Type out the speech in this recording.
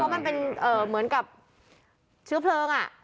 มันเป็นเหมือนกับเชื้อเพลิง